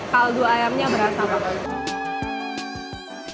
kaldu ayamnya berasa banget